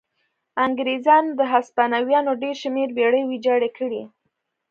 انګرېزانو د هسپانویانو ډېر شمېر بېړۍ ویجاړې کړې.